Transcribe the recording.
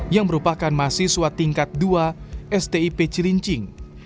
yang merupakan mahasiswa tingkat dua stip cilincing